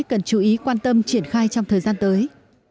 cần chú ý quan tâm triển khai trong thời gian tới